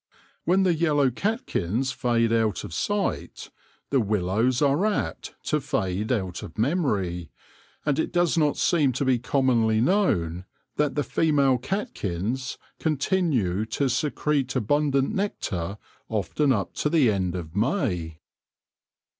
When the yellow catkins fade out of sight, the willows are apt to fade out of memory ; and it does not seem to be commonly known that the female catkins continue to secrete abundant nectar often up to the end of May.